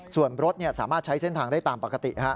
ส่วนรถสามารถใช้เส้นทางได้ตามปกติ